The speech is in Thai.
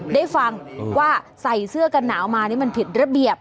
ได้ฟังว่าใส่เสื้อกันหนาวมานี่มันผิดระเบียบ